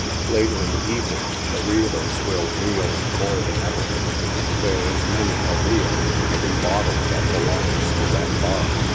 Later in the evening, the reelers will reel more than ever ; there is many a reel in every bot tle that belongs to that bar.